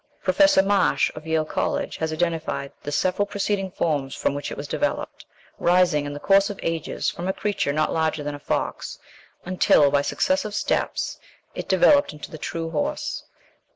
Professor Marsh, of Yale College, has identified the several preceding forms from which it was developed, rising, in the course of ages, from a creature not larger than a fox until, by successive steps, it developed into the true horse.